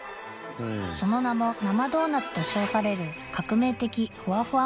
その名も生ドーナツと称される革命的フワフワ